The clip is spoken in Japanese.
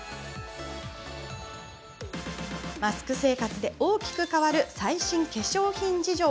マスク生活で大きく変わる最新化粧品事情。